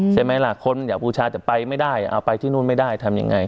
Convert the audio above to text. ใช่ไหมล่ะคนอยากบูชาจะไปไม่ได้เอาไปที่นู่นไม่ได้ทำยังไง